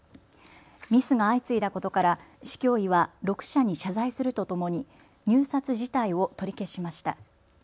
ミスが相次いだことから市教委は６社に謝罪するとともに入札自体を取り消しました。